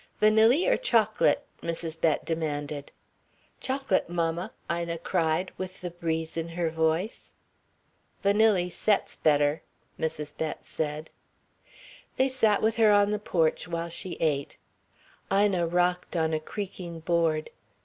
"Vanilly or chocolate?" Mrs. Bett demanded. "Chocolate, mammal" Ina cried, with the breeze in her voice. "Vanilly sets better," Mrs. Bett said. They sat with her on the porch while she ate. Ina rocked on a creaking board.